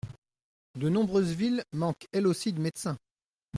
De nombreuses villes manquent elles aussi de médecins.